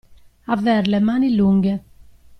Aver le mani lunghe.